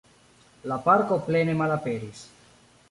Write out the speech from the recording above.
La parko plene malaperis.